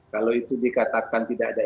kalau itu dikatakan tidak ada